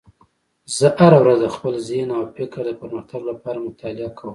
زه هره ورځ د خپل ذهن او فکر د پرمختګ لپاره مطالعه کوم